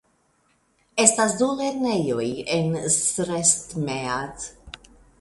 Estas du lernejoj en Crestmead.